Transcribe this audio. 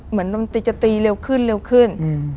เหมือนดนตรีจะตีเร็วขึ้น